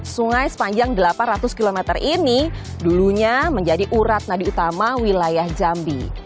sungai sepanjang delapan ratus km ini dulunya menjadi urat nadi utama wilayah jambi